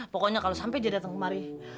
pokoknya kalau sampai dia datang kemari